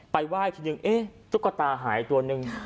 ไหว้ทีนึงเอ๊ะตุ๊กตาหายตัวนึง